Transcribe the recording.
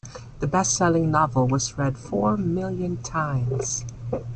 The bestselling novel was read four million times.